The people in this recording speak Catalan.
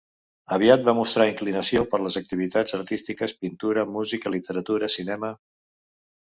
Aviat va mostrar inclinació per les activitats artístiques: pintura, música, literatura, cinema.